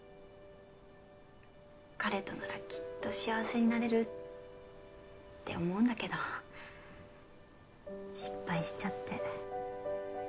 彼とならきっと幸せになれるって思うんだけど失敗しちゃって。